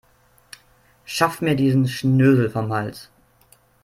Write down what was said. Schafft mir diesen Schnösel vom Hals.